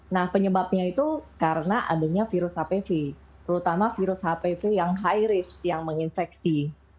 nah penyebabnya itu karena adanya virus hpv terutama virus hpv yang high risk yang menginfeksi